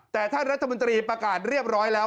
แต่ท่านรัฐมนตรีประกาศเรียบร้อยแล้ว